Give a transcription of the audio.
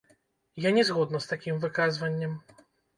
Я не згодна з такім выказваннем.